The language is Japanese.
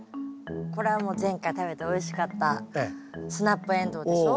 これはもう前回食べておいしかったスナップエンドウでしょ。